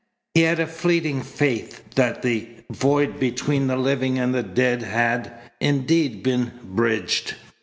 He had a fleeting faith that the void between the living and the dead had, indeed, been bridged.